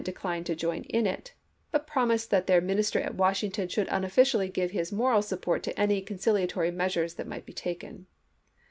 declined to join in it, but promised that their Min ister at Washington should unofficially give his moral support to any conciliatory measures that might be taken.